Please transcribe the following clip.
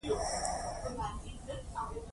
هر سړی په تعضيله دی